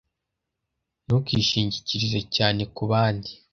Ntukishingikirize cyane kubandi